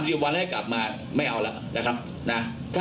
นะครับผมก็ต้องให้การว่าเขาให้การว่าเขาให้การขัดแย้งข้อเรียกจริงนะครับ